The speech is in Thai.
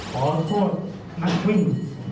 ขอโทษนักพึ่ง